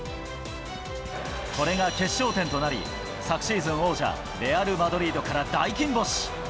これが決勝点となり、昨シーズン王者、レアル・マドリードから大金星。